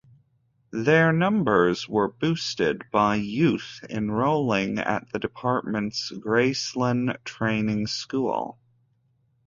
Their numbers were boosted by youth enrolling at the Department's Gracelyn Training School.